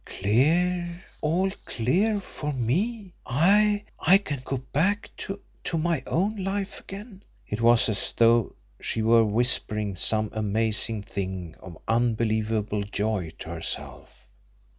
"Clear! All clear for me! I I can go back to to my own life again!" It was as though she were whispering some amazing thing of unbelievable joy to herself.